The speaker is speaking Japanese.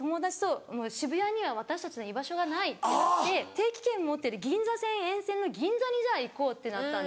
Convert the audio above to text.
定期券持ってる銀座線沿線の銀座に行こうってなったんです。